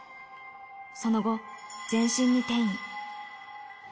その後、全身に転移。